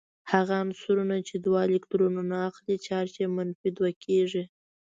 هغه عنصرونه چې دوه الکترونونه اخلې چارج یې منفي دوه کیږي.